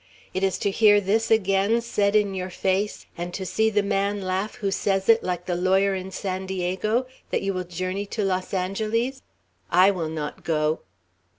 Is it to hear this again said in your face, and to see the man laugh who says it, like the lawyer in San Diego, that you will journey to Los Angeles? I will not go!"